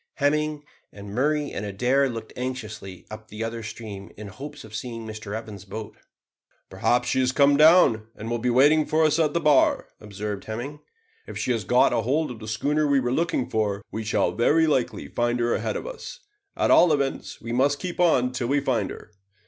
Hemming and Murray and Adair looked anxiously up the other stream in the hopes of seeing Mr Evans' boat. "Perhaps she has come down, and will be waiting for us at the bar," observed Hemming. "If she has got hold of the schooner we were looking for, we shall very likely find her ahead of us; at all events we must keep on till we find her."